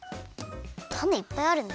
たねいっぱいあるね。